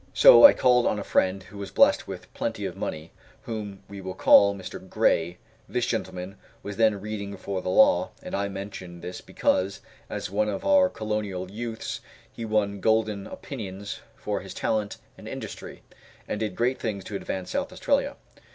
So I called on a friend who was blessed with plenty of money, whom we will call Mr. Gray this gentleman was then reading for the law, and I mention this because, as one of our colonial youths, he won golden opinions for his talent and industry, and did great things to advance South Australia.